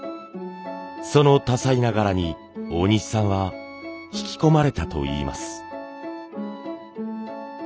その多彩な柄に大西さんは引き込まれたといいます。